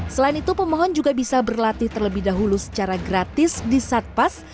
selain itu pemohon juga bisa berlatih terlebih dahulu secara gratis di satpas